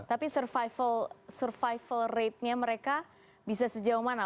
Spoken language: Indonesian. tapi survival rate nya mereka bisa sejauh mana